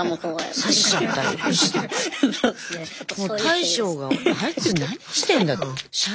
大将が「あいつ何してんだ？」。